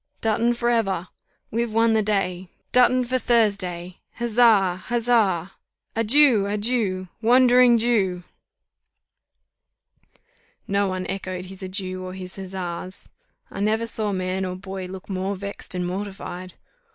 Dutton for ever! We've won the day. Dutton for Thursday! Huzza! Huzza! Adieu! Adieu! Wandering Jew!" No one echoed his adieu or his huzzas. I never saw man or boy look more vexed and mortified.